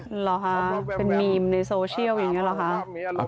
เหรอคะเป็นมีมในโซเชียลอย่างนี้หรอคะ